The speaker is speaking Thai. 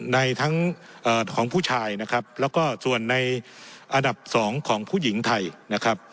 ในทั้งของผู้ชายนะครับแล้วก็ส่วนในอันดับสองของผู้หญิงไทยนะครับ